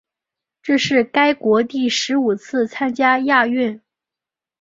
这是该国第十五次参加亚运。